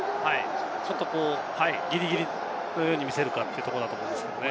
ちょっとギリギリのように見せるかというところなんですけれどもね。